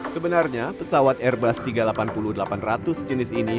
sebenarnya pesawat airbus tiga ratus delapan puluh delapan ratus jenis ini